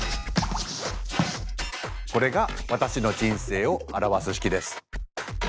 これが私の人生を表す式です。